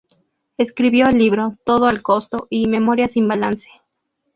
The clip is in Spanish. Escribió el libro "Todo al costo" y "Memoria sin balance".